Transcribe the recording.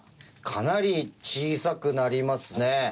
かなり小さくなりますね。